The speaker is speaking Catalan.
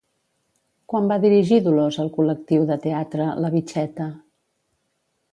Quan va dirigir Dolors el Col·lectiu de Teatre La Vitxeta?